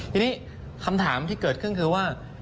ทีนี้คำถามที่เกิดขึ้นคือว่า